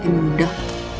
kita yang makin mudah